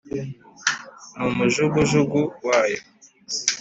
n' umujugujugu wayo.